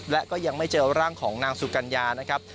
และก็ยังไม่เจอร่างของนางสุกัญญานะครับ